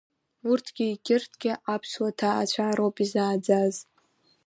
Урҭгьы егьырҭгьы аԥсуа ҭаацәа роуп изааӡаз.